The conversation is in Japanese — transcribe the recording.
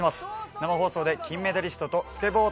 生放送で金メダリストとスケボー対決も！